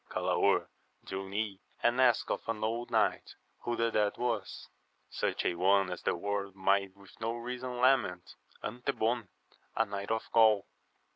Galaor drew nigh and asked of an old knight who the dead was. — Such a one as the world might with reason lament, Antebon, a knight of Gaul.